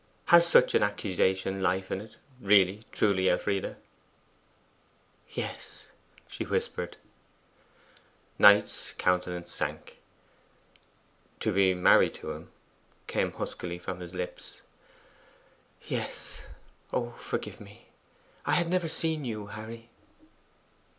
Has such an accusation life in it really, truly, Elfride?' 'Yes,' she whispered. Knight's countenance sank. 'To be married to him?' came huskily from his lips. 'Yes. Oh, forgive me! I had never seen you, Harry.